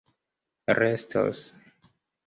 restos